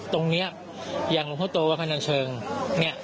ตรงเนี่ยอย่างลุงพ่อโตวัดพระนันเชิงเนี่ย